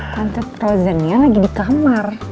tante prosennya lagi di kamar